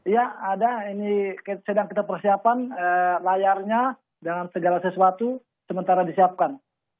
ya ada ini sedang kita persiapan layarnya dengan segala sesuatu sementara disiapkan